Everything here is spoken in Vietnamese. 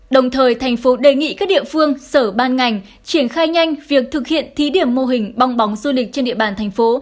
đồng thời thành phố đề nghị các địa phương sở ban ngành triển khai nhanh việc thực hiện thí điểm mô hình bong bóng du lịch trên địa bàn thành phố